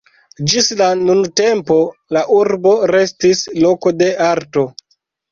Ĝis la nuntempo la urbo restis loko de arto.